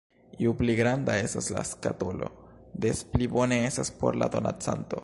Ju pli granda estas la skatolo, des pli bone estas por la donacanto.